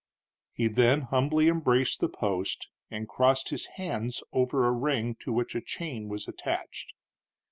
He then humbly embraced the post and crossed his hands over a ring to which a chain was attached.